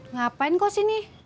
ngapain kau sini